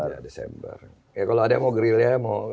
ya kalau ada yang mau gerilya